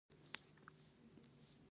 موږ د هوسۍ د غوښې سټیک او ساسج یادوو